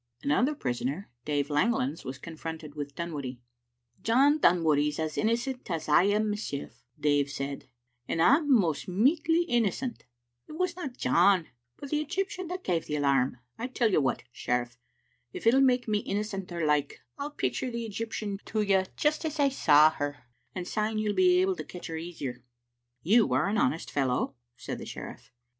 Another prisoner, Dave Langlands, was confronted with Dunwoodie. "John Dunwoodie's as innocent as I am mysel," Dave said, "and I'm most michty innocent. It wasna John but the Egyptian that gave the alarm. I tell you what, sheriff, if it'll make me innocenter like I'll picture the Eg3rptian to you just as I saw her, and syne you'll be able to catch her easier. " "You are an honest fellow," said the sheriff.